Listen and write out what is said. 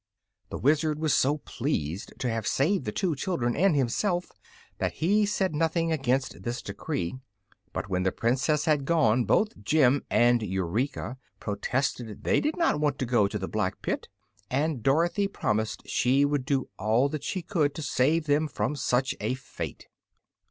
The Wizard was so pleased to have saved the two children and himself that he said nothing against this decree; but when the Princess had gone both Jim and Eureka protested they did not want to go to the Black Pit, and Dorothy promised she would do all that she could to save them from such a fate.